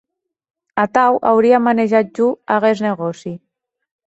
Atau auria manejat jo aguest negòci.